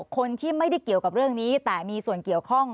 คนที่ไม่ได้เกี่ยวกับเรื่องนี้แต่มีส่วนเกี่ยวข้อง